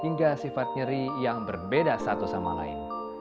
hingga sifat nyeri yang berbeda satu sama lain